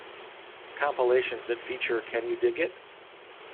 Compilations that feature Can You Dig It?